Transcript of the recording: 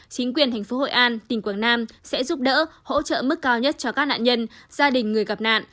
chính quyền thành phố hội an tỉnh quảng nam sẽ giúp đỡ hỗ trợ mức cao nhất cho các nạn nhân gia đình người gặp nạn